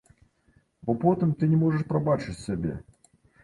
Бо потым ты не можаш прабачыць сабе.